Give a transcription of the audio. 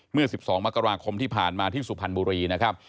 เมื่อ๑๒มกราคมที่ผ่านมาที่สุพรรณบุรีนะครับ